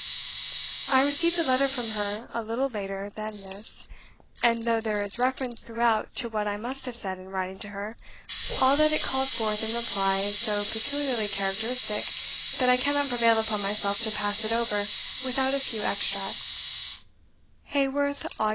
I received a letter from her a little later than this; and though there is reference throughout to what I must have said in writing to her, all that it called forth in reply is so peculiarly characteristic, that I cannot prevail upon myself to pass it over without a few extracts: "Haworth, Aug.